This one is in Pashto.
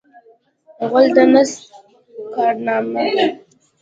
غول د نس کارنامه ده.